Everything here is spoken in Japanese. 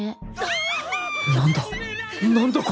何だ？